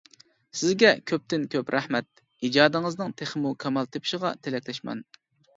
سىزگە كۆپتىن كۆپ رەھمەت، ئىجادىڭىزنىڭ تېخىمۇ كامال تېپىشىغا تىلەكداشمەن.